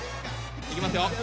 いきますよ。